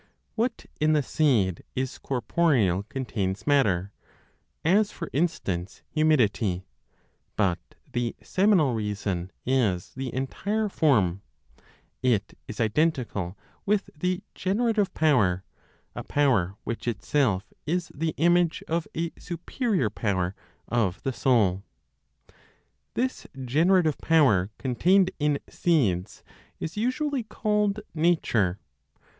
What in the seed is corporeal contains matter, as, for instance, humidity; but the seminal reason is the entire form; it is identical with the generative power, a power which itself is the image of a superior power of the soul. This generative power contained in seeds is usually called "nature."